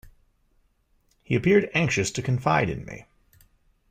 He appeared anxious to confide in me.